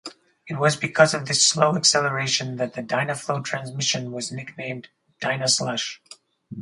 It was because of this slow acceleration that the Dynaflow transmission was nicknamed Dynaslush.